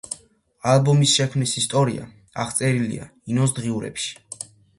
ალბომის შექმნის ისტორია აღწერილია ინოს დღიურებში.